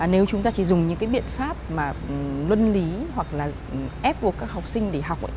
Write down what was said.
nếu chúng ta chỉ dùng những cái biện pháp mà luân lý hoặc là ép buộc các học sinh để học